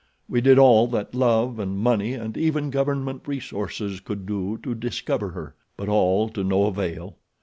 We did all that love and money and even government resources could do to discover her; but all to no avail.